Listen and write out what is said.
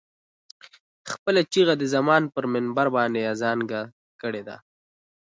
خپله چيغه د زمان پر منبر باندې اذانګه کړې ده.